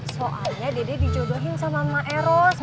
soalnya dede dijodohin sama emak eros